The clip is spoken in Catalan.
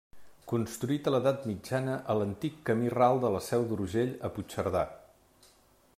Construït a l'Edat Mitjana a l'antic camí ral de la Seu d'Urgell a Puigcerdà.